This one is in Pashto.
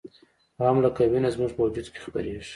غم لکه وینه زموږ په وجود کې خپریږي